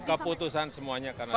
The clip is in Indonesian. keputusan semuanya karena sudah